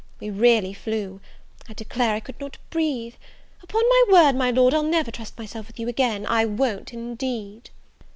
we really flew. I declare I could not breathe. Upon my word, my Lord, I'll never trust myself with you again, I won't indeed."